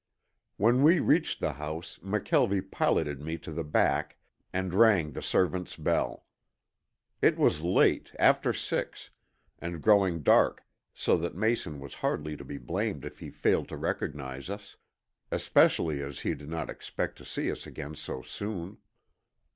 When we reached the house McKelvie piloted me to the back and rang the servants' bell. It was late, after six, and growing dark so that Mason was hardly to be blamed if he failed to recognize us, especially as he did not expect to see us again so soon.